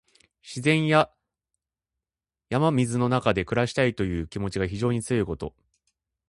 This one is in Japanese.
自然や山水の中で暮らしたいという気持ちが非常に強いこと。